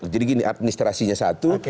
jadi gini administrasinya satu